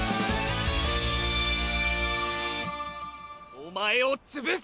お前を潰す！